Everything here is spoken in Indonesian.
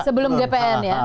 sebelum gpn ya